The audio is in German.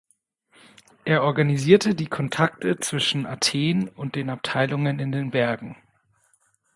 Er organisierte die Kontakte zwischen Athen und den Abteilungen in den Bergen.